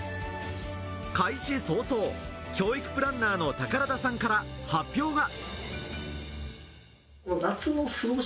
開始早々、教育プランナーの宝田さんから発表が。